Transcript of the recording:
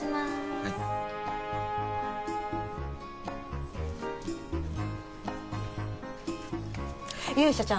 はい勇者ちゃん